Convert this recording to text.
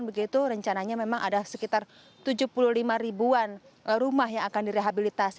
begitu rencananya memang ada sekitar tujuh puluh lima ribuan rumah yang akan direhabilitasi